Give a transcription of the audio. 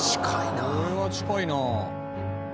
これは近いな！